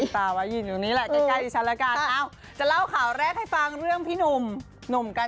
สวัสดีค่ะสวัสดีค่ะ